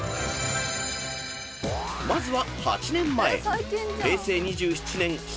［まずは８年前］